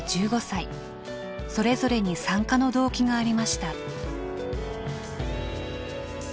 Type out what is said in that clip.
それぞれに参加の動機がありました。